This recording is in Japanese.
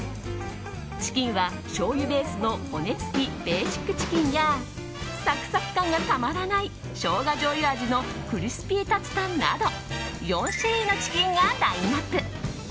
チキンはしょうゆベースの骨付きベーシックチキンやサクサク感がたまらないショウガじょうゆ味のクリスピータツタなど４種類のチキンがラインアップ。